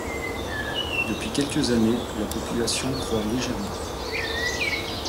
Depuis quelques années, la population croît légèrement.